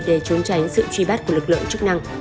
để trốn tránh sự truy bắt của lực lượng chức năng